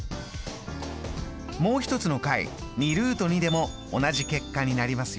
もう一つの解２でも同じ結果になりますよ。